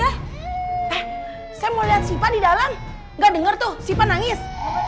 eh saya mau liat syifa di dalam nggak denger tuh syifa nangis